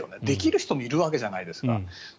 できる人もいるわけじゃないですか。